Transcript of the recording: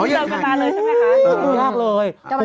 อ๋อเริ่มกันมาเลยใช่ไหมคะ